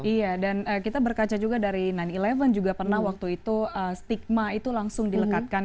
iya dan kita berkaca juga dari sembilan sebelas juga pernah waktu itu stigma itu langsung dilekatkan